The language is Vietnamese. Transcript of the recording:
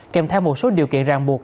kèm theo một số điều kiện ràng buộc